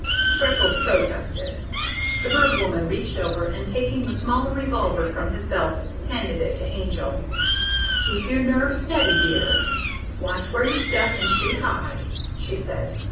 Freckles protested. The Bird Woman reached over, and, taking the smaller revolver from his belt, handed it to the Angel. "Keep your nerve steady, dear; watch where you step, and shoot high," she said.